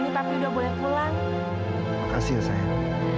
terima kasih ya sayang